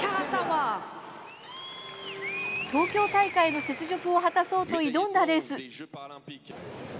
東京大会の雪辱を果たそうと挑んだレース。